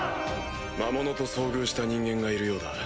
・魔物と遭遇した人間がいるようだ。